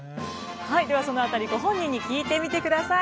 はいではその辺りご本人に聞いてみてください。